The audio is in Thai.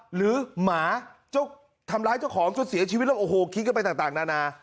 หมาเจ้าทำร้ายเจ้าของจนเสียชีวิตแล้วโอ้โหคิดกันไปต่างนานา